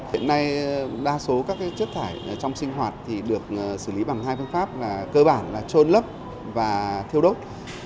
hiện nay đa số các chất thải trong sinh hoạt được xử lý bằng hai phương pháp cơ bản là trôn lấp và thiêu đốt